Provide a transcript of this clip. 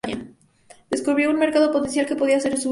Descubrió un mercado potencial que podía hacer suyo.